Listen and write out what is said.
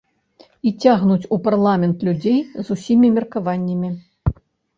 І цягнуць у парламент людзей з усімі меркаваннямі.